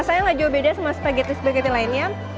rasanya gak jauh beda sama spagetti spagetti lainnya